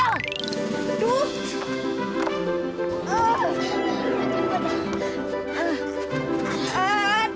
aduh aduh aduh aduh aduh